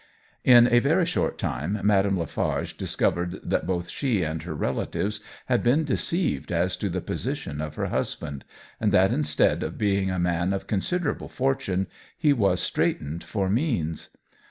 In a very short time Madame Lafarge discovered that both she and her relatives had been deceived as to the position of her husband, and that instead of being a man of considerable fortune, he was straitened for means.